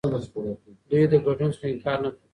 دوی له ګډون څخه انکار نه کاوه.